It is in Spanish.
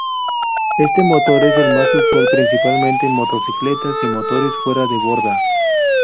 Este motor es el más usual principalmente en motocicletas y motores fuera de borda.